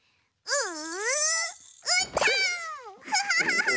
うん。